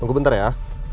tunggu bentar ya